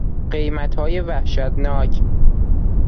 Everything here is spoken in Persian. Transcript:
قیمتهای وحشتناک